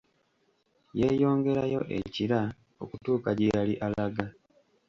Yeeyongerayo e kira okutuuka gyeyali alaga.